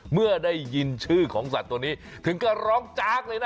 เมื่อได้ยินชื่อของสัตว์ตัวนี้ถึงก็ร้องจากเลยนะ